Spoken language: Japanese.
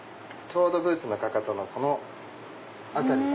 ブーツのかかとのこの辺りが。